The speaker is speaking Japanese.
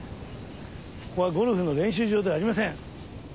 「ここはゴルフ練習場ではありません」。